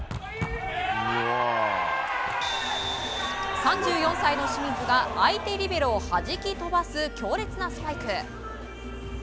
３４歳の清水が相手リベロをはじき飛ばす、強烈なスパイク。